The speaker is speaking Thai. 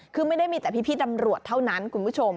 คือไม่ได้มีแต่พี่ตำรวจเท่านั้นคุณผู้ชม